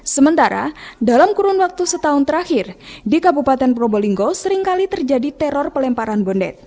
sementara dalam kurun waktu setahun terakhir di kabupaten probolinggo seringkali terjadi teror pelemparan bondet